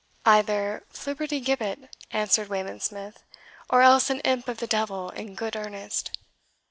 "Either Flibbertigibbet," answered Wayland Smith, "or else an imp of the devil in good earnest."